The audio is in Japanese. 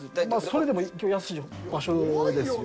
それでも行きやすい場所ですよ。